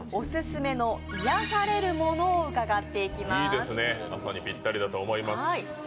いいですね、朝にぴったりだと思います。